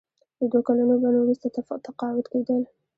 د دوه کلونو بند وروسته تقاعد کیدل.